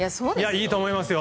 いいと思いますよ。